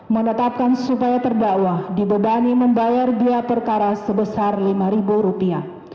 menetapkan supaya terdakwa dibebani membayar biaya perkara sebesar lima rupiah